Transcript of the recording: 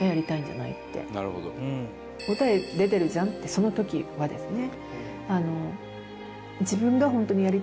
その時はですね。